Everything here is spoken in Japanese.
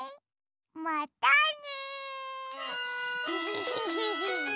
またね。